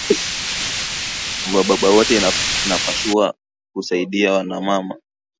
Wa baba wote inapashua ku saidia wa mama